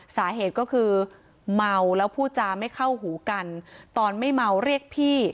สาเหตุก็คือเมาแล้วพูดจาไม่เข้าหูกันตอนไม่เมาเรียกพี่